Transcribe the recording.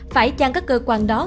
phải chăng các cơ quan đó